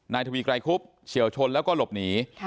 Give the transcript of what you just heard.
ทวีไกรคุบเฉียวชนแล้วก็หลบหนี